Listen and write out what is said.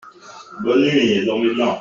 Bonne nuit et dormez bien !